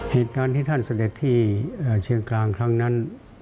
เหตุการณ์ที่ท่านเสด็จที่เชียงกลางครั้งนั้น